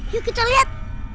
yuk kita lihat